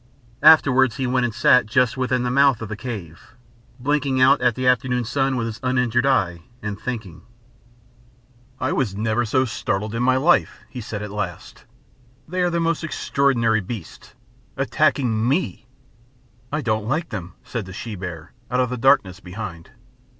Afterwards he went and sat just within the mouth of the cave, blinking out at the afternoon sun with his uninjured eye, and thinking. "I never was so startled in my life," he said at last. "They are the most extraordinary beasts. Attacking me!" "I don't like them," said the she bear, out of the darkness behind.